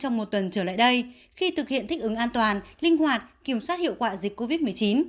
số ca nhiễm gia tăng trong một tuần trở lại đây khi thực hiện thích ứng an toàn linh hoạt kiểm soát hiệu quả dịch covid một mươi chín